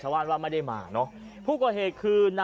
ชาวบ้านญาติโปรดแค้นไปดูภาพบรรยากาศขณะ